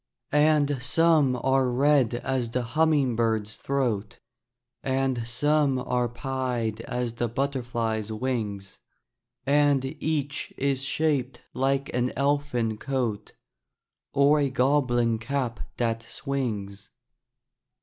And some are red as the humming bird's throat, And some are pied as the butterfly's wings, And each is shaped like an elfin coat, Or a goblin cap that swings.